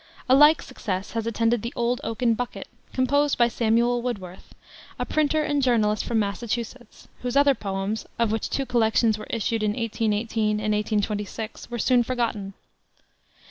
A like success has attended the Old Oaken Bucket, composed by Samuel Woodworth, a printer and journalist from Massachusetts, whose other poems, of which two collections were issued in 1818 and 1826, were soon forgotten.